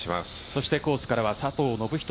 そして、コースからは佐藤信人